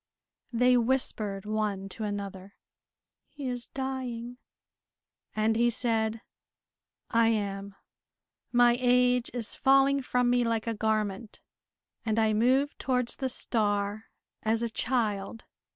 They whispered one to another, "He is dying." And he said, "I am. My age is falling from me like a garment, and I move towards the star as a child.